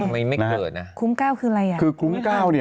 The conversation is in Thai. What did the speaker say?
ไม่ไม่เกิดนะคลุ้มเก้าคืออะไรอ่ะคือคุ้มเก้าเนี่ย